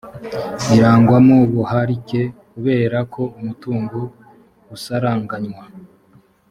irangwamo ubuharike kubera ko umutungo usaranganywa